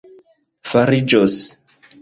fariĝos